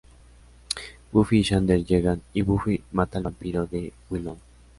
Buffy y Xander llegan, y Buffy mata al vampiro de Willow.